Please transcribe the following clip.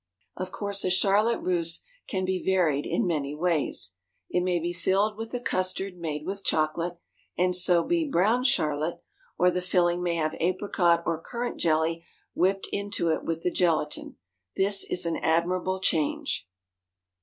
Of course a charlotte russe can be varied in many ways. It may be filled with the custard made with chocolate, and so be brown charlotte, or the filling may have apricot or currant jelly whipped into it with the gelatine; this is an admirable change.